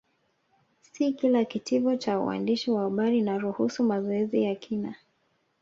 Si kila Kitivo cha uandishi wa habari inaruhusu mazoezi ya kina